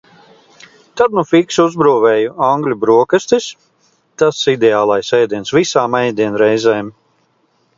Tad nu fiksi uzbrūvēju angļu brokastis, tas ideālais ēdiens visām ēdienreizēm.